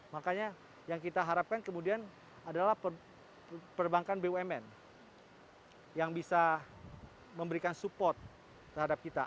makanya yang kita harapkan kemudian adalah perbankan bumn yang bisa memberikan support terhadap kita